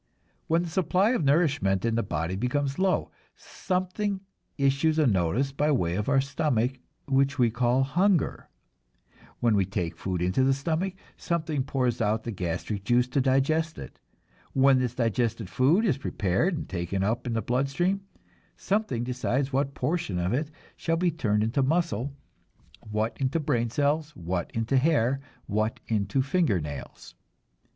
When the supply of nourishment in the body becomes low, something issues a notice by way of our stomach, which we call hunger; when we take food into the stomach, something pours out the gastric juice to digest it; when this digested food is prepared and taken up in the blood stream, something decides what portion of it shall be turned into muscle, what into brain cells, what into hair, what into finger nails.